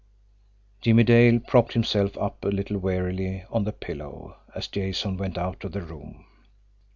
Jimmie Dale propped himself up a little wearily on the pillows, as Jason went out of the room.